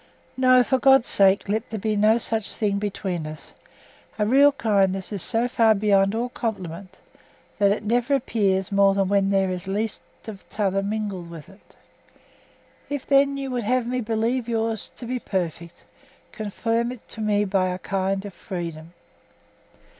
No, for God's sake let there be no such thing between us; a real kindness is so far beyond all compliment, that it never appears more than when there is least of t'other mingled with it. If, then, you would have me believe yours to be perfect, confirm it to me by a kind freedom.